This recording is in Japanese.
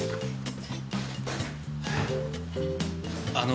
あの。